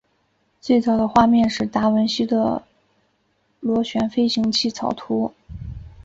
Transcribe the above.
最早的画面是达文西的螺旋飞行器草图。